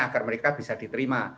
agar mereka bisa diterima